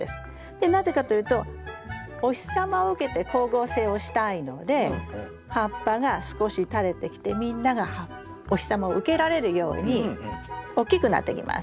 でなぜかというとお日様を受けて光合成をしたいので葉っぱが少し垂れてきてみんながお日様を受けられるように大きくなってきます。